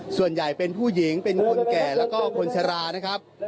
ส่วนใหญ่เป็นผู้หญิงเป็นคนแก่แล้วก็คนชะลานะครับ